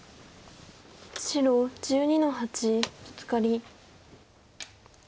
白１２の八ブツカリ。